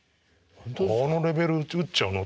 「このレベル打っちゃうの？」